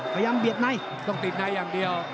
เบียดในต้องติดในอย่างเดียว